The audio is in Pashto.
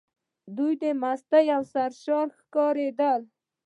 دوی مست او سرشاره ښکارېدل.